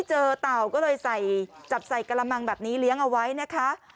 เต่าก็เลยใส่จับใส่กระมังแบบนี้เลี้ยงเอาไว้นะคะ